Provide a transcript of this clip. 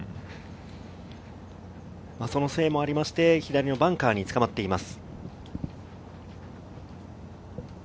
そのせいもありまして、左のバンカーにつかまっています。